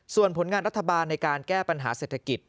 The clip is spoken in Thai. ส่วนผลงานรัฐบาลในการแก้ปัญหาเศรษฐกิจ